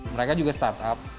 mereka juga startup